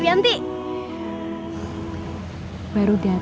bang ustadz kamu jadi kebaikan